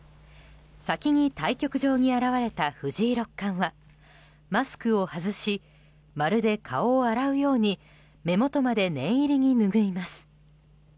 先に対局場に現れた藤井六冠はマスクを外しまるで顔を洗うように目元まで念入りにぬぐいます。